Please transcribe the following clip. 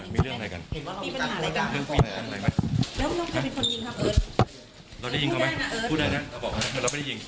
มีเรื่องอะไรกัน